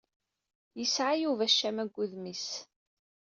Yesɛa Yuba ccama deg wudem-is.